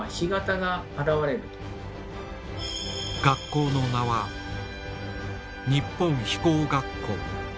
学校の名は「日本飛行学校」。